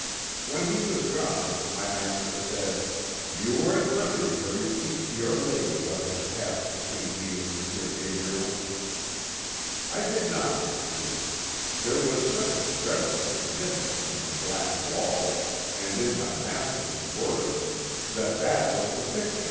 "When he was gone my master said: "'You are at liberty to repeat to your lady what has passed between me and M. Gabriel.' "I did not repeat it: there was such a dreadful significance in the black walls, and in my master's words, that that was the picture M.